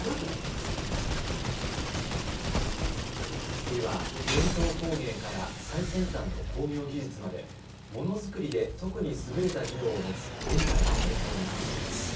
次は、伝統工芸から最先端の工業技術までものづくりで特に優れた技能を持つ現代の名工についてです。